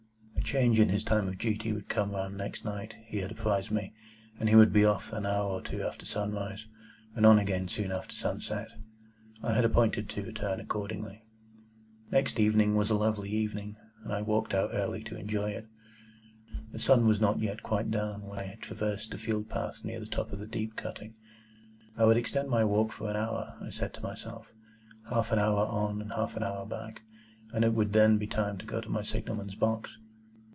A change in his time of duty would come round next night, he had apprised me, and he would be off an hour or two after sunrise, and on again soon after sunset. I had appointed to return accordingly. Next evening was a lovely evening, and I walked out early to enjoy it. The sun was not yet quite down when I traversed the field path near the top of the deep cutting. I would extend my walk for an hour, I said to myself, half an hour on and half an hour back, and it would then be time to go to my signal man's box.